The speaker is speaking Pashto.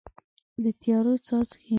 د تیارو څاڅکي